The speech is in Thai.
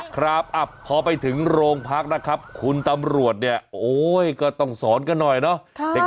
ครับพอไปถึงโรงพักนะครับคุณตำรวจเนี่ยโอ๊ยก็ต้องสอนกันหน่อยเนาะ